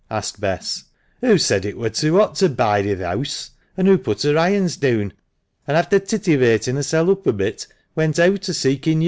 asked Bess. " Hoo said it wur too hot to bide i' th1 heawse, and hoo put her irons deawn, an' after tittivatin' herseP oop a bit, went eawt a seekin' yo'."